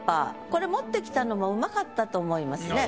これ持ってきたのも上手かったと思いますね。